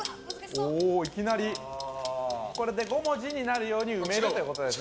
これで５文字になるように埋めるということです。